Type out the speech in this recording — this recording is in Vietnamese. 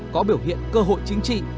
có biểu hiện cơ hội chính trị